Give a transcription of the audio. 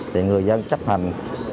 thì người dân chấp hành